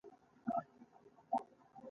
هغه د هر دور په شاعرانو کې شمېرل کېږي.